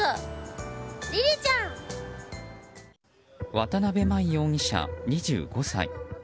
渡辺真衣容疑者、２５歳。